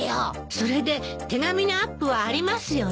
それで手紙のアップはありますよね？